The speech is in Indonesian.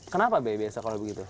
kenapa biasa kalau begitu